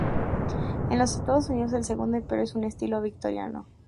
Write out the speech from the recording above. En los Estados Unidos, el Segundo Imperio es un estilo victoriano.